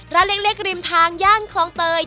ร้านเล็กริมทางย่านคลองเตย